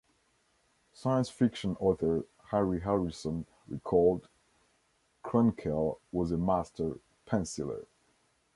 Science fiction author Harry Harrison recalled, Krenkel was a master penciler.